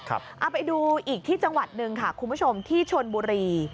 เอาไปดูอีกที่จังหวัดหนึ่งค่ะคุณผู้ชมที่ชนบุรี